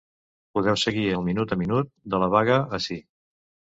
Podeu seguir el minut-a-minut de la vaga ací.